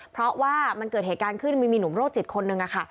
เพราะว่ามันเกิดเหตุการณ์ขึ้นมีหนุ่มโรคจิตคนหนึ่งค่ะ